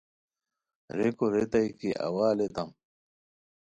ریکو ریتائے کی اوا الیتام